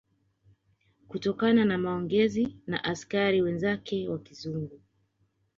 Kutokana na maongezi na askari wenzake wa kizungu